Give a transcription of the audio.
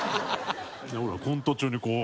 ほらコント中にこう。